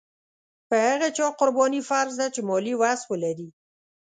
په هغه چا قرباني فرض ده چې مالي وس ولري.